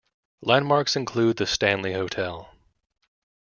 Landmarks include the Stanley Hotel.